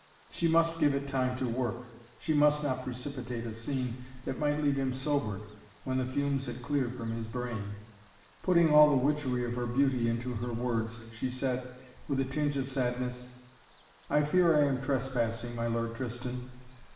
She must give it time to work. She must not precipitate a scene that might leave him sobered, when the fumes had cleared from his brain. Putting all the witchery of her beauty into her words she said, with a tinge of sadness: "I fear I am trespassing, my Lord Tristan.